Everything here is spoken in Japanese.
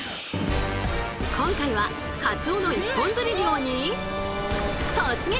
今回はカツオの一本釣り漁に突撃！